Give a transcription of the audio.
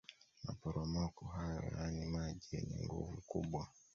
maporomoko hayo yaana maji yenye nguvu kubwa